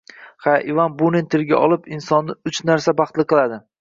— Ha, Ivan Bunin tilga olib, insonni uch narsa baxtli qiladi.